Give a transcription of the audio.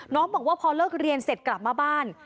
บอกว่าพอเลิกเรียนเสร็จกลับมาบ้าน